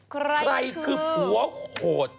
ใครคือผัวโหด